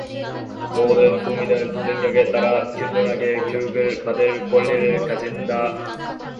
모든 국민은 능력에 따라 균등하게 교육을 받을 권리를 가진다.